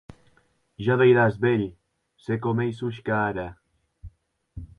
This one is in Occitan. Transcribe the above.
Ja veiràs, vielh, se com ei Zhuchka ara!